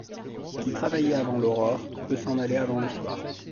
Qui travaillait avant l’aurore, Peut s’en aller avant le soir.